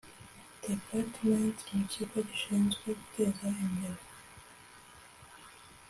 department mu kigo gishinzwe guteza imbere